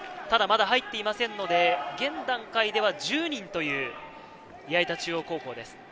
ただまだ入っていませんので、現段階では１０人という矢板中央高校です。